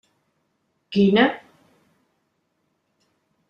Quina?